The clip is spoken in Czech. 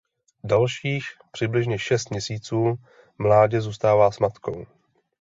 Dalších přibližně šest měsíců mládě zůstává s matkou.